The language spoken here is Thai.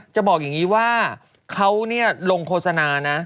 จะบอกอย่างนี้ว่าเขาลงโฆษณานะ